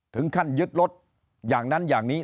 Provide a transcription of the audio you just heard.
ถึงขั้นยึดรถอย่างนั้นอย่างนี้